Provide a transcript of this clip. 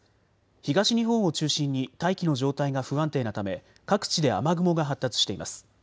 東日本を中心に大気の状態が不安定なため各地で雨雲が発達しています。